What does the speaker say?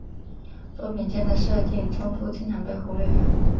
作品间的设定冲突经常被忽略。